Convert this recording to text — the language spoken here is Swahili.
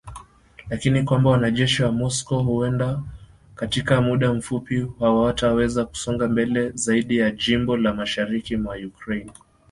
Lakini kwamba wanajeshi wa Moscow huwenda katika muda mfupi hawataweza kusonga mbele zaidi ya jimbo la mashariki mwa Ukraine